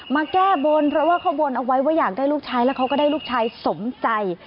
มาแก้บนเพราะว่าเขาบนเอาไว้ว่าอยากได้ลูกชายแล้วเขาก็ได้ลูกชายสมใจ